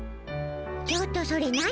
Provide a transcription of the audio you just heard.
ちょっとそれ何？